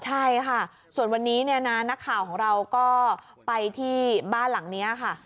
ใช่ค่ะส่วนวันนี้เนี่ยนะนักข่าวของเราก็ไปที่บ้านหลังนี้ค่ะ